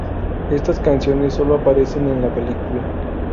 Estas canciones solo aparecen en la película.